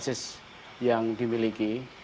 tentang basis yang dimiliki